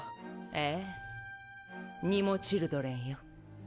ええニモチルドレンよ。